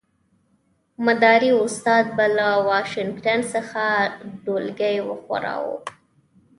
مداري استاد به له واشنګټن څخه ډولکی وښوراوه.